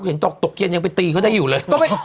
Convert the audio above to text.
เห็นตกเย็นยังไปตีเขาจะอยู่เลย